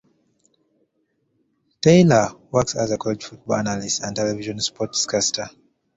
Taylor works as a college football analyst and television sportscaster.